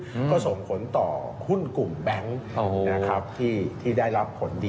ก็ส่งผลต่อหุ้นกลุ่มแบงค์นะครับที่ที่ได้รับผลดี